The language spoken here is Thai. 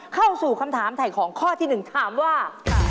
เข้าสู่คำถามถ่ายของข้อที่๑ถามว่า